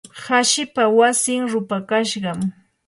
hashipa wasin rupakashqam.